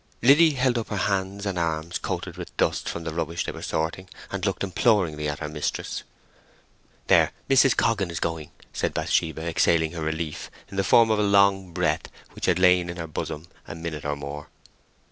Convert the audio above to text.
Liddy held up her hands and arms, coated with dust from the rubbish they were sorting, and looked imploringly at her mistress. "There—Mrs. Coggan is going!" said Bathsheba, exhaling her relief in the form of a long breath which had lain in her bosom a minute or more.